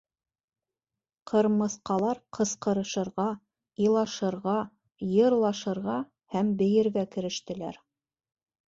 Ҡырмыҫҡалар ҡысҡырышырға, илашырға, йырлашырға һәм бейергә керештеләр.